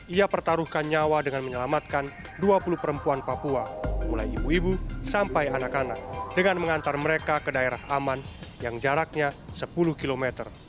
ia pertaruhkan nyawa dengan menyelamatkan dua puluh perempuan papua mulai ibu ibu sampai anak anak dengan mengantar mereka ke daerah aman yang jaraknya sepuluh km